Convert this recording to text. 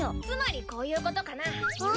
つまりこういうことかな？